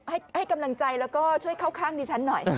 ให้กำลังใจแล้วก็ช่วยเข้าข้างดิฉันหน่อย